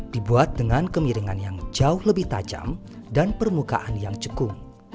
dibuat dengan kemiringan yang jauh lebih tajam dan permukaan yang cekung